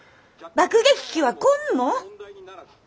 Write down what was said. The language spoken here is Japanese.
爆撃機は来んの？